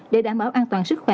để đảm bảo an toàn sức khỏe